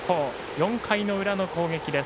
４回の裏の攻撃です。